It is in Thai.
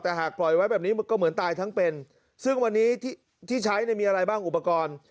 แต่หากปล่อยไว้แบบนี้มันก็เหมือนตายทั้งเป็นซึ่งวันนี้ที่ใช้เนี่ยมีอะไรบ้างอุปกรณ์